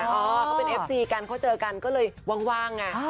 เขาเป็นเอฟซีกันเขาเจอกันก็เลยว่างไง